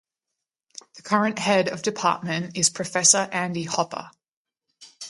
The current head of department is Professor Andy Hopper.